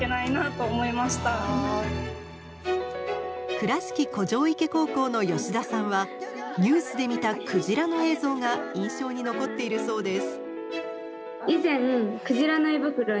倉敷古城池高校の吉田さんはニュースで見たクジラの映像が印象に残っているそうです。